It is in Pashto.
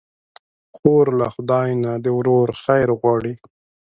خور له خدای نه د ورور خیر غواړي.